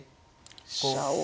飛車をあ